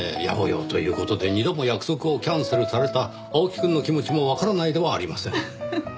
やぼ用という事で二度も約束をキャンセルされた青木くんの気持ちもわからないではありません。